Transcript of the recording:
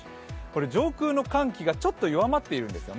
上空の寒気がちょっと弱まっているんですよね。